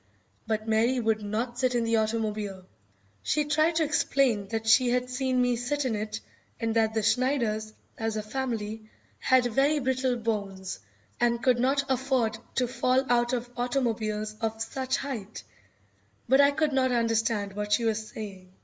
But Mary would not sit in the automobile. She tried to explain that she had seen me sit in it and that the Schneiders, as a family, had very brittle bones and could not afford to fall out of automobiles of such height, but I could not understand what she was saying.